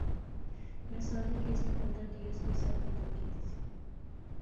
میں سارے کیس ناں پتہ۔۔ ڈی ایس پی صاحب وی گل کیتی سی